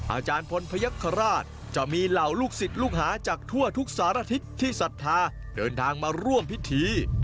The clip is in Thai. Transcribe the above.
อาจารย์พลพยักษราชจะมีเหล่าลูกศิษย์ลูกหาจากทั่วทุกสารทิศที่ศรัทธาเดินทางมาร่วมพิธี